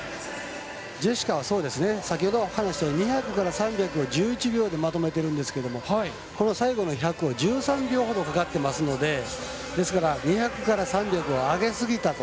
ジェシカは先ほど話したように２００から３００１１秒でまとめてるんですけどこの最後の１００を１３秒ほどかかっていますので２００から３００は上げすぎたと。